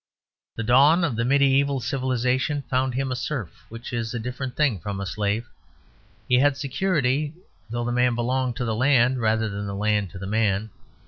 The dawn of the mediæval civilisation found him a serf; which is a different thing from a slave. He had security; although the man belonged to the land rather than the land to the man.